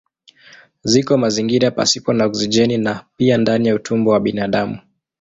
Ziko mazingira pasipo na oksijeni na pia ndani ya utumbo wa binadamu.